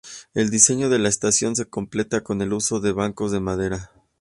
El diseño de la estación se completa con el uso de bancos de madera.